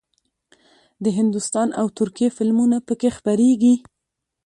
د هندوستان او ترکیې فلمونه پکې خپرېږي.